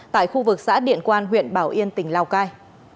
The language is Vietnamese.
tại khu vực xã điện quan huyện bảo yên tỉnh lào cai